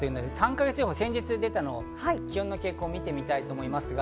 ３か月予報が先日出たので気温の傾向を見たいと思います。